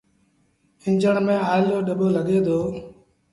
ايٚݩجڻ ميݩ آئيل رو ڏٻو لڳي دو۔